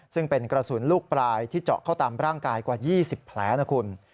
ซึ่งเป็นกระสุนลูกปลายที่เจาะเข้าตามร่างกายกว่า๒๐แผลนะคุณ